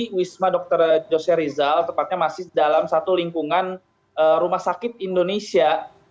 di wisma dr jose rizal tepatnya masih dalam satu lingkungan rumah sakit indonesia